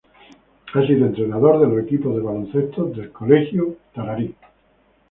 Ha sido entrenador de los equipos de baloncesto del Colegio Ntra.